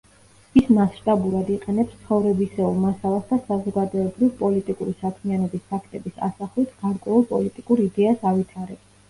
ის მასშტაბურად იყენებს ცხოვრებისეულ მასალას და საზოგადოებრივ-პოლიტიკური საქმიანობის ფაქტების ასახვით გარკვეულ პოლიტიკურ იდეას ავითარებს.